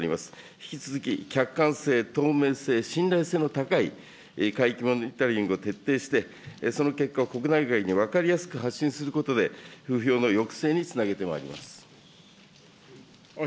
引き続き客観性、透明性、信頼性の高い海域モニタリングを徹底して、その結果を国内外に分かりやすく発信することで、風評の抑制につなげてまいります。